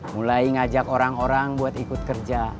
mulai ngajak orang orang buat ikut kerja